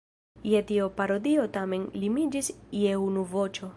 Je tio parodio tamen limiĝis je unu voĉo.